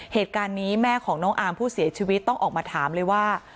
เหตุการณ์นี้แม่ของน้องอาร์มผู้เสียชีวิตต้องออกมาถามเลยว่า